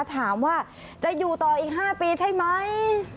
ถามว่าจะอยู่ต่ออีก๕ปีใช่ไหม